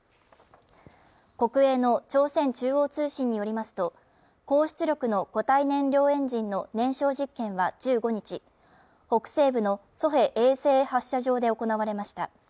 国営の朝鮮中央通信によりますと高出力の固体燃料エンジンの燃焼実験は１５日北西部のソヘ衛星発射場で行われました